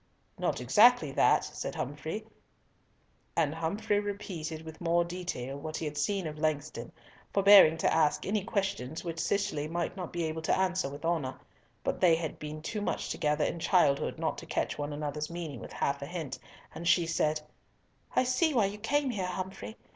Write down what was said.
"Not exactly that," and Humfrey repeated with more detail what he had seen of Langston, forbearing to ask any questions which Cicely might not be able to answer with honour; but they had been too much together in childhood not to catch one another's meaning with half a hint, and she said, "I see why you came here, Humfrey.